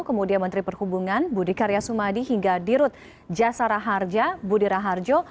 kemudian menteri perhubungan budi karyasumadi hingga dirut jasara harja budira harjo